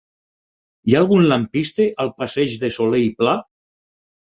Hi ha algun lampista al passeig de Solé i Pla?